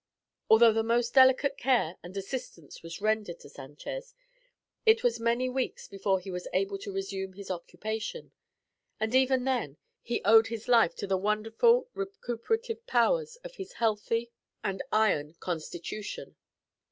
Although the most delicate care and assistance was rendered to Sanchez, it was many weeks before he was able to resume his occupation; and, even then, he owed his life to the wonderful recuperative powers of his healthy and iron constitution.